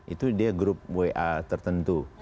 itu dia grup wa tertentu